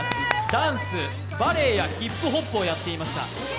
ダンス、バレエやヒップホップをやっておりました。